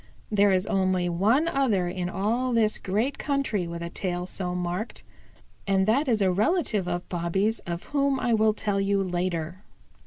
There is only one other in all this great country with a tail so marked, and that is a relative of Bobby's of whom I will tell you later.